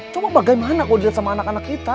cuma bagaimana kalau dilihat sama anak anak kita